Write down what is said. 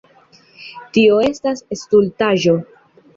Tio estas stultaĵo.